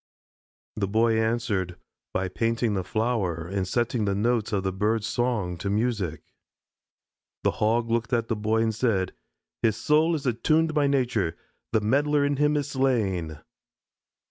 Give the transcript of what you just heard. The Boy answered by painting the flower and setting the notes of the bird's song to music. The Hog looked at the boy and said: "His soul is attuned by nature. The meddler in him is slain."